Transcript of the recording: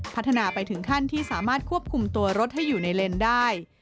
พัฒนาไปถึงขั้นที่สามารถควบคุมตัวรถให้อยู่ในเลนได้